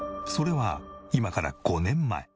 それは今から５年前。